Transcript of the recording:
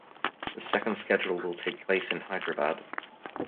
The second schedule will take place in Hyderabad.